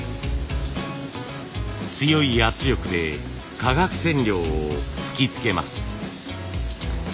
強い圧力で化学染料を吹きつけます。